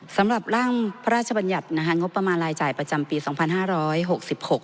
สำหรับร่างพระราชบัญญัตินะคะงบประมาณรายจ่ายประจำปีสองพันห้าร้อยหกสิบหก